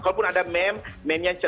kalaupun ada mem memnya tidak ada